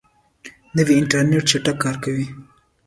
نوی انټرنیټ چټک کار کوي